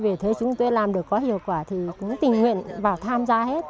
về thế chúng tôi làm được có hiệu quả thì cũng tình nguyện vào tham gia hết